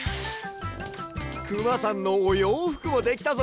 くまさんのおようふくもできたぞ。